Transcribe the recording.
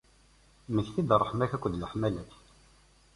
Mmekti-d d ṛṛeḥma-k akked leḥmala-k.